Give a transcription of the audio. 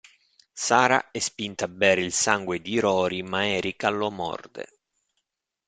Sarah è spinta a bere il sangue di Rory ma Erica lo morde.